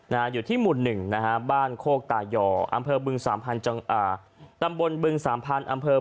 นะฮะอยู่ที่หมุนหนึ่งนะฮะบ้านโคกตา๒๕